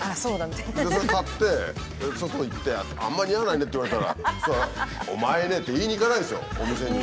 それ買って外行って「あんまり似合わないね」って言われたらそしたら「お前ね」って言いに行かないでしょお店に。